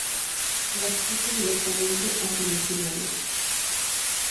Clasifica directamente a semifinales